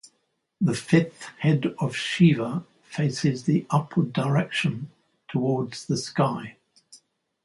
This fifth head of Shiva faces the upward direction, towards the sky.